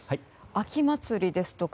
秋祭りですとか